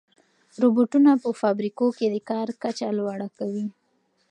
روبوټونه په فابریکو کې د کار کچه لوړه کوي.